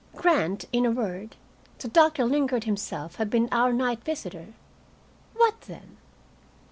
Grant, in a word, that Doctor Lingard himself had been our night visitor what then?